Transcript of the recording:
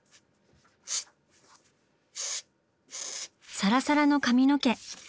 サラサラの髪の毛。